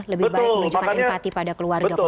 lebih baik menunjukkan empati pada keluarga